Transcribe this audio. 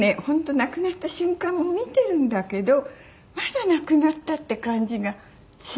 亡くなった瞬間を見てるんだけどまだ亡くなったって感じがしないんですね。